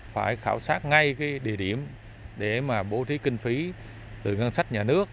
phải khảo sát ngay địa điểm để bố trí kinh phí từ ngân sách nhà nước